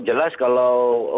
jelas kalau untuk